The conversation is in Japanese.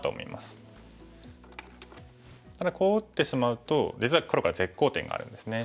ただこう打ってしまうと実は黒から絶好点があるんですね。